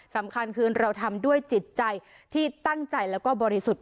สำคัญคือเราทำด้วยจิตใจที่ตั้งใจแล้วก็บริสุทธิ์